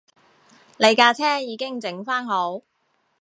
你架車已經整番好